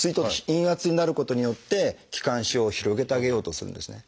陰圧になることによって気管支を広げてあげようとするんですね。